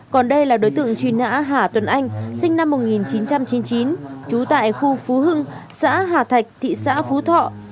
còn đây là đối tượng truy nã hà tuấn anh sinh năm một nghìn chín trăm chín mươi chín trú tại khu phú hưng xã hà thạch thị xã phú thọ